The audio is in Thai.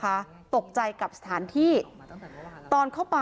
มีแต่เสียงตุ๊กแก่กลางคืนไม่กล้าเข้าห้องน้ำด้วยซ้ำ